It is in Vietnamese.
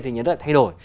thì nhà nước lại thay đổi